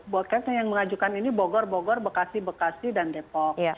buat kami yang mengajukan ini bogor bogor bekasi bekasi dan depok